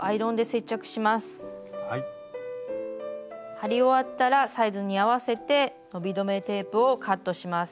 貼り終わったらサイズに合わせて伸び止めテープをカットします。